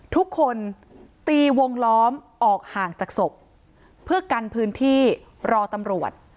ทุกคนตีวงล้อมออกห่างจากศพเพื่อกันพื้นที่รอตำรวจ